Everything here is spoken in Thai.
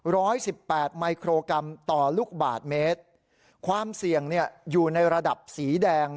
ร้อยสิบแปดมิโครกรัมต่อลูกบาทเมตรความเสี่ยงเนี่ยอยู่ในระดับสีแดง